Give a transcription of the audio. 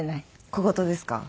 小言ですか？